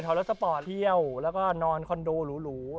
รถสปอร์ตเที่ยวแล้วก็นอนคอนโดหรู